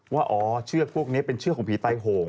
ว่าอ๋อเชือกพวกนี้เป็นเชือกของผีไตโหง